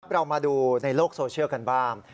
เรามาดูในโลกสโชว์กันบ้าง